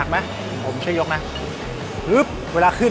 การแชร์ประสบการณ์